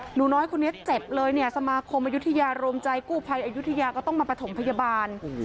หนูน้อยคนนี้เจ็บเลยเนี่ยสมาคมอายุทยาโรมใจกู้ภัยอายุทยาก็ต้องมาประถมพยาบาล